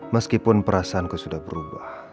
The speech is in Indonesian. meskipun perasaanku sudah berubah